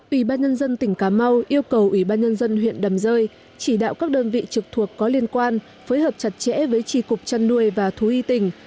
ủy ban nhân dân tỉnh cà mau yêu cầu ủy ban nhân dân huyện đầm rơi chỉ đạo các đơn vị trực thuộc có liên quan phối hợp chặt chẽ với tri cục chăn nuôi và thú y tỉnh